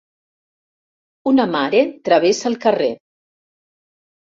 Una mare travessa el carrer.